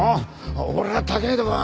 俺は高えとこは。